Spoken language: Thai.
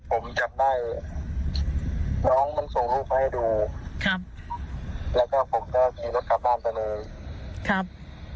ผมจับได้น้องมันส่งลูกเขาให้ดูครับแล้วก็ผมก็ขี่รถกลับบ้านไปเลยครับ